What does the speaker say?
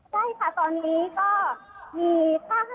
แค่๒๓พันจนตอนนี้นะครับ